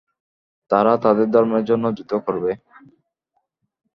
তারা তাদের ধর্মের জন্য যুদ্ধ করবে।